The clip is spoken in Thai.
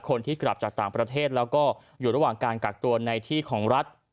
คนที่กลับจากต่างประเทศแล้วก็อยู่ระหว่างการกักตัวในที่ของรัฐ